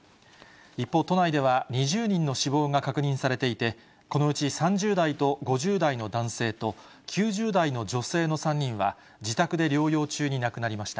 一方、都内では２０人の死亡が確認されていて、このうち３０代と５０代の男性と、９０代の女性の３人は、自宅で療養中に亡くなりました。